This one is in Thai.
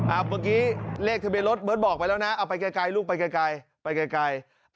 เมื่อกี้เลขทะเบียนรถเบิร์ตบอกไปแล้วนะเอาไปไกลลูกไปไกลไปไกล